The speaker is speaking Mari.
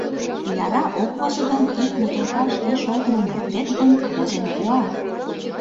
Яра ок возо гын, ик бутылка шке шолтымым йӱктет гын, возен пуа.